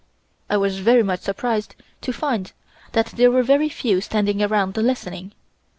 I was very much surprised to find that there were very few standing around listening.